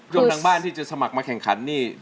ทางบ้านที่จะสมัครมาแข่งขันนี่